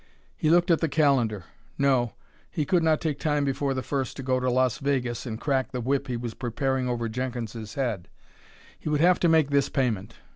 He looked at the calendar. No; he could not take time before the first to go to Las Vegas and crack the whip he was preparing over Jenkins's head; he would have to make this payment.